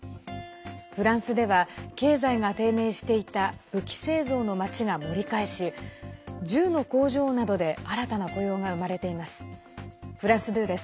フランスでは経済が低迷していた武器製造の町が盛り返し銃の工場などで新たな雇用が生まれています。